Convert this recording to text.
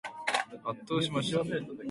圧倒しました。